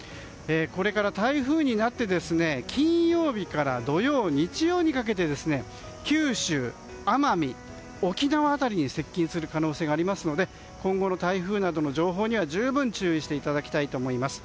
これから台風になって金曜日から土曜、日曜にかけて九州、奄美、沖縄辺りに接近する可能性がありますので今後の台風などの情報には十分注意していただきたいと思います。